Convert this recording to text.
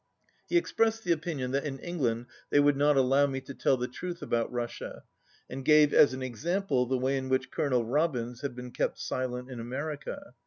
J*9 He expressed the opinion that in England they would not allow me to tell the truth about Russia, and gave as an example the way in which Colonel Robins had been kept silent in America.